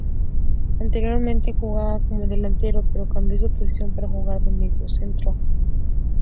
Anteriormente jugaba como delantero pero cambió su posición para jugar de mediocentro.